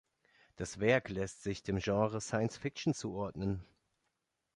Das Werk lässt sich dem Genre Science-Fiction zuordnen.